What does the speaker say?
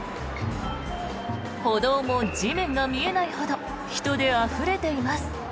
歩道も地面が見えないほど人であふれています。